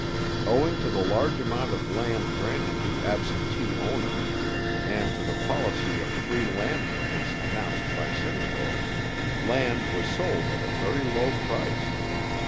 Owing to the large amount of land granted to absentee owners, and to the policy of free land grants announced by Simcoe, land was sold at a very low price.